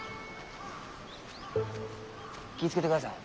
気ぃ付けてください。